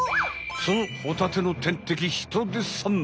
そうホタテの天敵ヒトデさん。